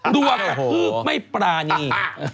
กลัวกระทืบไม่ปรานี